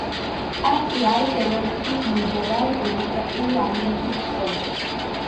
პარტია არის ევროპის ლიბერალ-დემოკრატიული ალიანსის წევრი.